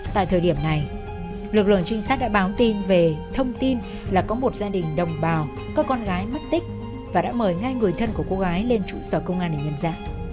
tại thời điểm này lực lượng trinh sát đã báo tin về thông tin là có một gia đình đồng bào các con gái mất tích và đã mời ngay người thân của cô gái lên trụ sở công an để nhân dạng